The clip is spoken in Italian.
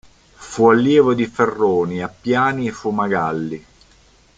Fu allievo di Ferroni, Appiani e Fumagalli.